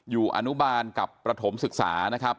อนุบาลกับประถมศึกษานะครับ